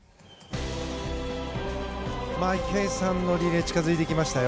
池江さんのリレー近づいてきましたよ。